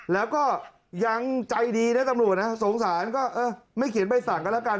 แล้วก็ยังใจดีนะตำรวจนะสงสารก็เออไม่เขียนใบสั่งกันแล้วกัน